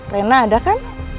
rena ada kan